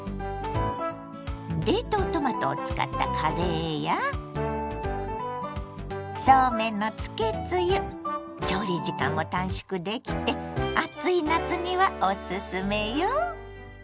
冷凍トマトを使ったカレーやそうめんのつけつゆ調理時間も短縮できて暑い夏にはおすすめよ。